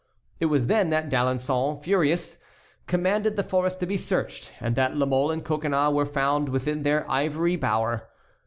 It was then that D'Alençon, furious, commanded the forest to be searched, and that La Mole and Coconnas were found within their ivy bower.